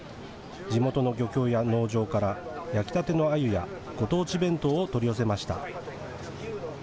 地元の漁協や農場から焼きたてのアユやご当地弁当を取り寄せました。